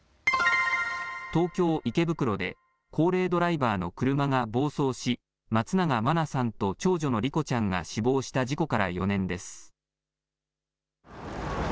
東京、池袋で高齢ドライバーの車が暴走し松永真菜さんと長女の莉子ちゃんが死亡した事故から４年です。